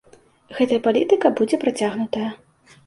Гэтая палітыка будзе працягнутая.